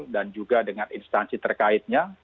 dan juga dengan instansi tersebut